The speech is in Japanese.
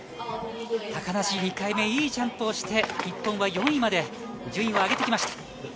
高梨、２回目いいジャンプをして、日本は４位まで順位を上げてきました。